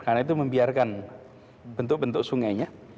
karena itu membiarkan bentuk bentuk sungainya